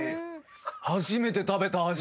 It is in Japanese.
初めて食べた味。